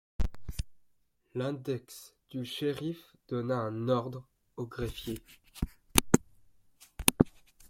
L’index du shériff donna un ordre au greffier.